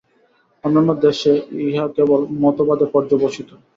অন্যান্য দেশে ইহা কেবল মতবাদে পর্যবসিত।